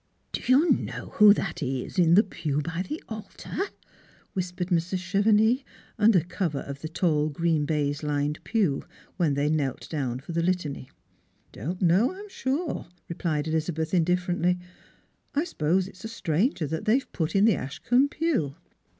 " Do }ou know who that is in the pew by the altar ?" whis pered Mrs. Chevenix, under cover of the tall grecu baize lined pew, when they knelt down for the litany. "Don't know, I'm sure," replied Elizabeth indiflferently ;" i suppose it's a stranger that they've put in the Ashcombe pew."'